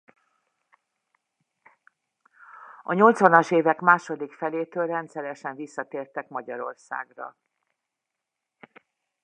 A nyolcvanas évek második felétől rendszeresen visszatértek Magyarországra.